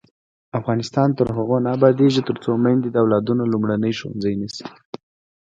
افغانستان تر هغو نه ابادیږي، ترڅو میندې د اولادونو لومړنی ښوونځی نشي.